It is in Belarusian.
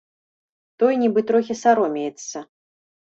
Той нібы трохі саромеецца.